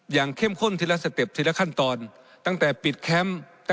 เข้มข้นทีละสเต็ปทีละขั้นตอนตั้งแต่ปิดแคมป์